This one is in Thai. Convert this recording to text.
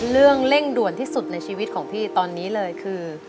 เรื่องเร่งด่วนที่สุดในชีวิตของพี่ตอนนี้เลยคือ